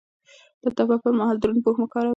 د تبه پر مهال دروند پوښ مه کاروئ.